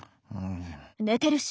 寝てるし。